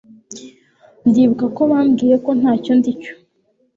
ndibuka ko bambwiye ko ntacyo ndi cyo